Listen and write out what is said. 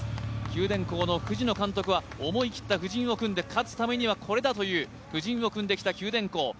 九電工の藤野監督は思い切った布陣を組んで、勝つためにはこれだという布陣を組んできた九電工。